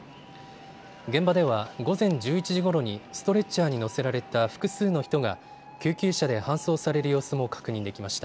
現場では午前１１時ごろにストレッチャーに乗せられた複数の人が救急車で搬送される様子も確認できました。